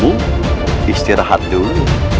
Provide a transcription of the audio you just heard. tak istirahat dulu